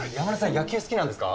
野球好きなんですか？